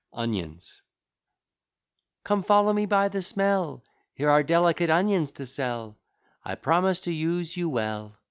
ONIONS Come, follow me by the smell, Here are delicate onions to sell; I promise to use you well.